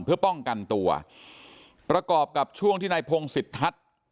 เพื่อป้องกันตัวประกอบกับช่วงที่นายพงศิษทัศน์